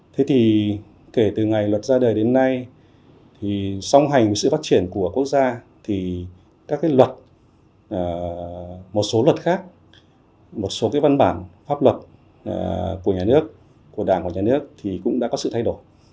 thế thì kể từ ngày luật ra đời đến nay thì song hành với sự phát triển của quốc gia thì các cái luật một số luật khác một số cái văn bản pháp luật của nhà nước của đảng và nhà nước thì cũng đã có sự thay đổi